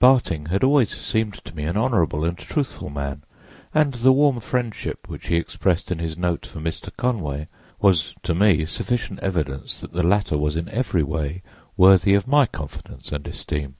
Barting had always seemed to me an honorable and truthful man, and the warm friendship which he expressed in his note for Mr. Conway was to me sufficient evidence that the latter was in every way worthy of my confidence and esteem.